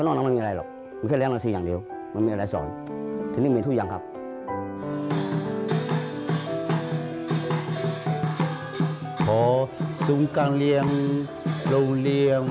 หาทดีที่ผู้สร้างพื้นบ้านให้ได้